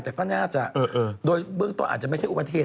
แต่ก็น่าจะโดยเบื้องต้นอาจจะไม่ใช่อุบัติเหตุ